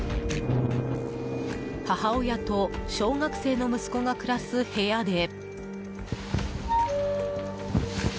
母親と小学生の息子が暮らす部屋で。